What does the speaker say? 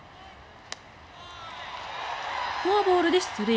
フォアボールで出塁。